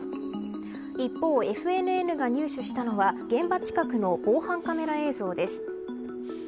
一方、ＦＮＮが入手したのは現場近くの防犯カメラ映像です。